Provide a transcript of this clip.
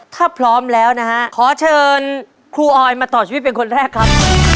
ถ้าพร้อมแล้วนะฮะขอเชิญครูออยมาต่อชีวิตเป็นคนแรกครับ